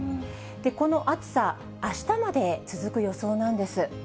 この暑さ、あしたまで続く予想なんです。